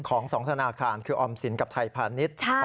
ของ๒ธนาคารคือออมสินกับไทยพาณิชย์